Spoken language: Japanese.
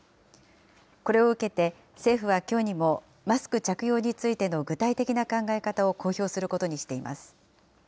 これを受けて、政府はきょうにも、マスク着用についての具体的な考え方を公表することにしています。